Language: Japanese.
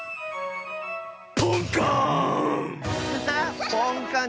ポンカーン！